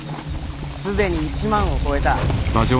既に１万を超えた。